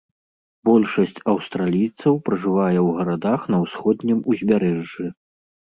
Большасць аўстралійцаў пражывае ў гарадах на ўсходнім узбярэжжы.